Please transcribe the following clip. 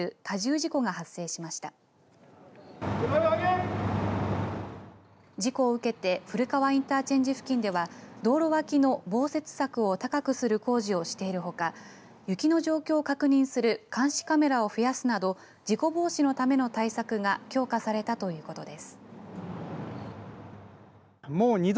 事故を受けて古川インターチェンジ付近では道路脇の防雪柵を高くする工事をしているほか雪の状況を確認する監視カメラを増やすなど事故防止のための対策が強化されたということです。